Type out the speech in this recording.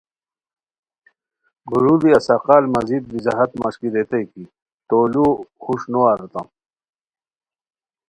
گوروڑی اسقال مزید وضاحت مݰکیریتائے کی ُلوؤ ہوݰنو ارتام